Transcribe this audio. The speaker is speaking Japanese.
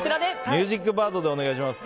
ミュージックバードでお願いします。